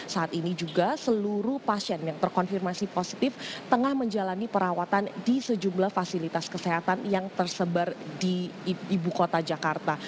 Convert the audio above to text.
saat ini juga seluruh pasien yang terkonfirmasi positif tengah menjalani perawatan di sejumlah fasilitas kesehatan yang tersebar di ibu kota jakarta